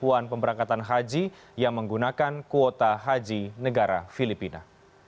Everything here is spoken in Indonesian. pembelaan pemberangkatan haji yang menggunakan kuota haji negara filipina